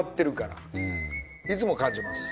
いつも感じます。